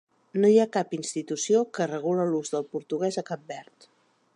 No hi ha cap institució que regula l'ús del portuguès a Cap Verd.